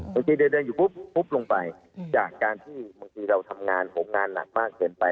บางทีเดินอยู่ปุ๊บลงไปจากการที่บางทีเราทำงานผมงานหนักมากเกินไป